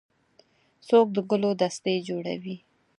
څوک د ګلو دستې جوړوي.